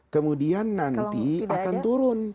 kemudian nanti akan turun